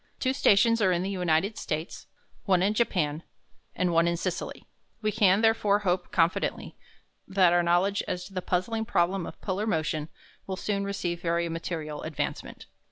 Two stations are in the United States, one in Japan, and one in Sicily. We can, therefore, hope confidently that our knowledge as to the puzzling problem of polar motion will soon receive very material advancement.